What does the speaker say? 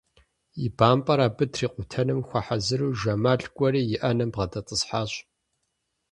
И бампӀэр абы трикъутэным хуэхьэзыру Жэмал кӀуэри и ӏэнэм бгъэдэтӀысхьащ.